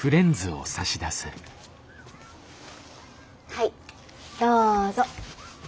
はいどうぞ。